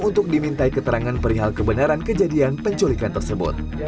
untuk dimintai keterangan perihal kebenaran kejadian penculikan tersebut